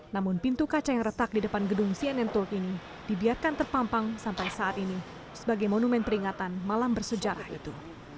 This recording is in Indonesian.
namun pintu kaca yang retak di depan gedung cnn turk ini dibiarkan terpampang sampai saat ini sebagai monumen peringatan malam bersejarah itu